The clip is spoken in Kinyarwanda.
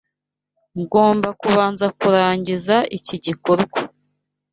Ngomba kubanza kurangiza iki gikorwa.